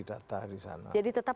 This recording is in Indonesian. data di sana jadi tetap